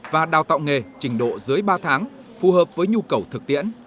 và đào tạo nghề trình độ dưới ba tháng phù hợp với nhu cầu thực tiễn